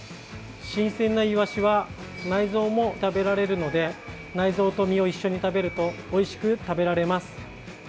新鮮なイワシは内臓も食べられるので内臓と身を一緒に食べるとおいしく食べられます。